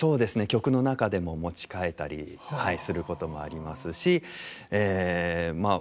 曲の中でも持ち替えたりすることもありますしまあ